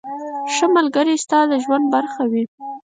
• ښه ملګری ستا د ژوند برخه وي.